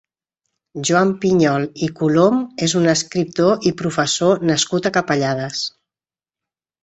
Joan Pinyol i Colom és un escriptor i professor nascut a Capellades.